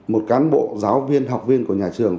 một cán bộ giáo viên học viên của nhà trường